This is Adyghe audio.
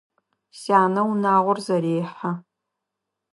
Сянэ унагъор зэрехьэ.